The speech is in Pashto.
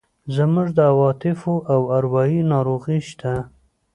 زموږ د عواطفو او اروایي ناروغۍ شته.